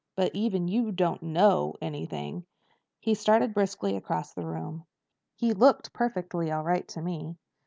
But even you don't know anything." He started briskly across the room. "He looked perfectly all right to me."